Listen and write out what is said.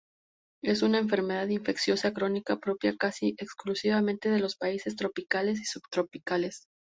Es una enfermedad infecciosa crónica, propia casi exclusivamente de los países tropicales y subtropicales.